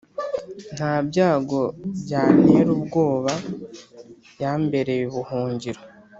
Ntabyago byantera ubwoba yambereye ubuhungiro